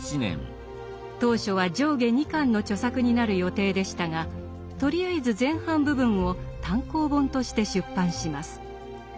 当初は上下二巻の著作になる予定でしたがとりあえず前半部分を単行本として出版します。